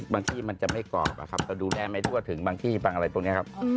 บางทีมันจะไม่กรอบเราดูแลไม่ทั่วถึงบางที่บางอะไรตรงนี้ครับ